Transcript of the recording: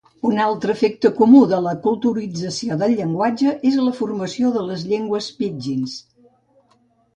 Un altre efecte comú de l'aculturació del llenguatge és la formació de llengües pídgins.